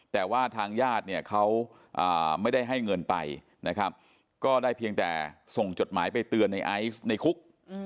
แต่ว่าทางญาติเนี่ยเขาไม่ได้ให้เงินไปนะครับก็ได้เพียงแต่ส่งจดหมายไปเตือนในไอซ์ในคุก